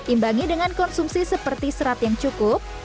imbangi dengan konsumsi seperti serat yang cukup